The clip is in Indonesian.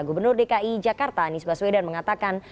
gubernur dki jakarta anies baswedan mengatakan